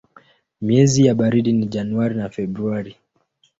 Miezi ya baridi ni Januari na Februari.